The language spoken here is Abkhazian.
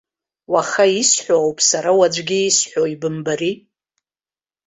Уаха исҳәо ауп сара уаҵәгьы исҳәо, ибымбари.